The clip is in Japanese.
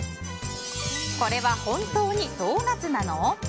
これは本当にドーナツなの？